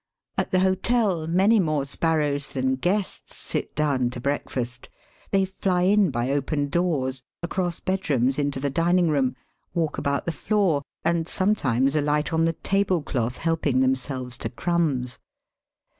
At the hotel many more sparrows than guests sit down to breakfast. They fly in by open doors, across bedrooms into the dining room, walk about the floor, and sometimes alight on the tablecloth, helping themselves to crumbs.